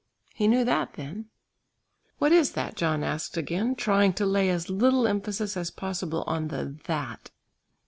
He knew that then. "What is that?" John asked again, trying to lay as little emphasis as possible on the "that."